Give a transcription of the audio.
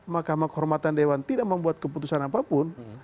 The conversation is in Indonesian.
mahkamah kehormatan dewan tidak membuat keputusan apapun